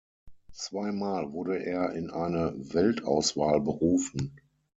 Zweimal wurde er in eine Weltauswahl berufen.